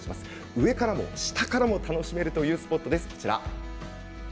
上からも下からも楽しめるスポットです。